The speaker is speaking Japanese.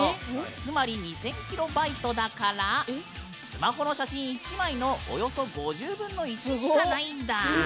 つまり２０００キロバイトだからスマホの写真１枚のおよそ５０分の１しかないんだ。